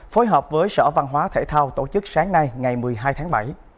phối hợp với sở văn hóa thể thao tổ chức sáng nay ngày một mươi hai tháng bảy